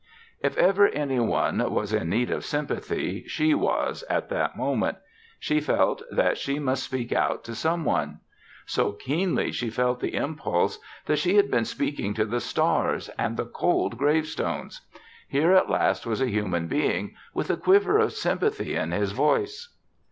If ever any one was in need of sympathy, she was at that moment. She felt that she must speak out to some one. So keenly she felt the impulse that she had been speaking to the stars and the cold gravestones. Here at last was a human being with a quiver of sympathy in his voice.